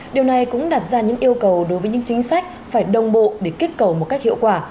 điều này cũng đặt ra những yêu cầu đối với những chính sách phải đồng bộ để kích cầu một cách hiệu quả